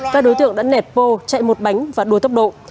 các đối tượng đã nẹt vô chạy một bánh và đua tốc độ